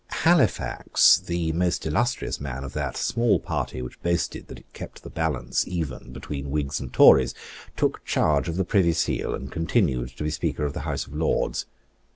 Halifax, the most illustrious man of that small party which boasted that it kept the balance even between Whigs and Tories, took charge of the Privy Seal, and continued to be Speaker of the House of Lords.